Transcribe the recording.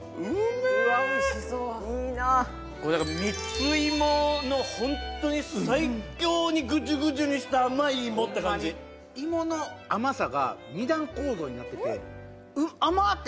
蜜芋の本当に最強にぐじゅぐじゅにした甘い芋って感じ芋の甘さが２段構造になってて甘っ！